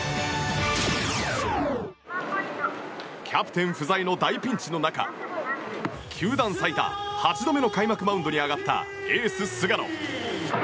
キャプテン不在の大ピンチの中球団最多８度目の開幕マウンドに上がったエース菅野。